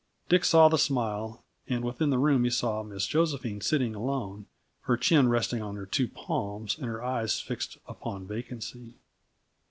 Dick saw the smile, and within the room he saw Miss Josephine sitting alone, her chin resting in her two palms and her eyes fixed upon vacancy.